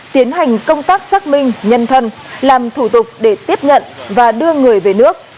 tiến hành công tác xác minh nhân thân làm thủ tục để tiếp nhận và đưa người về nước